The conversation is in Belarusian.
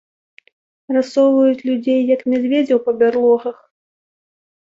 Рассоўваюць людзей, як мядзведзяў па бярлогах?